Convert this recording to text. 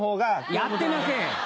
やってません！